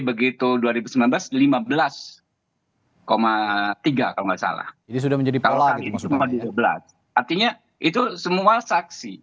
begitu dua ribu sembilan belas lima belas tiga kalau nggak salah sudah menjadi pola di kota di sebelah artinya itu semua saksi